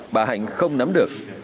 bà hạnh không nắm được